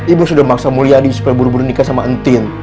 ibu sudah maksa mulia adik supaya buru buru nikah sama entin